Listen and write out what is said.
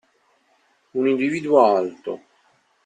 Un individuo alto.